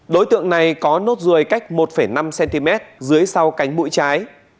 đối tượng này có nốt ruồi cách một năm cm dưới sau cánh mũi trái